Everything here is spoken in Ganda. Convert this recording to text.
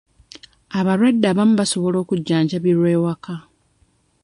Abalwadde abamu basobola okujjanjabirwa ewaka.